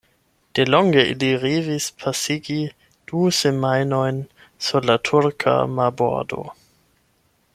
Delonge ili revis pasigi du semajnojn sur la turka marbordo.